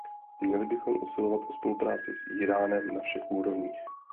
Měli bychom usilovat o spolupráci s Íránem na všech úrovních.